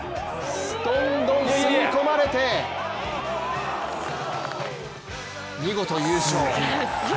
どんどん吸い込まれて見事優勝。